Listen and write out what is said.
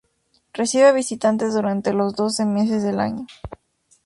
Recibe visitantes durante los doce meses del año.